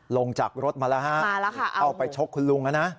ลงจากรถมาแล้วฮะเข้าไปชกคุณลุงนะ